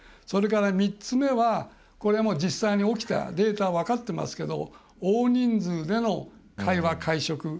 それから、３つ目は実際に起きたデータは分かっていますが大人数での会話、会食。